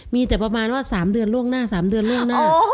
มีแต่ประมาณว่า๓เดือนล่วงหน้า๓เดือนล่วงหน้า